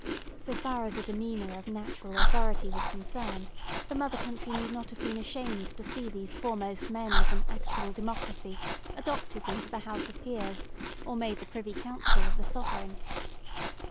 So far as a demeanour of natural authority was concerned, the mother country need not have been ashamed to see these foremost men of an actual democracy adopted into the House of Peers, or make the Privy Council of the Sovereign.